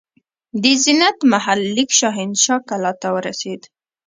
د زینت محل لیک شاهنشاه کلا ته ورسېد.